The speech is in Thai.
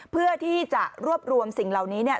เพื่อที่จะรวบรวมสิ่งเหล่านี้เนี่ย